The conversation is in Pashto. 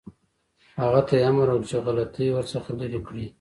هغه ته یې امر وکړ چې غلطۍ ورڅخه لرې کړي.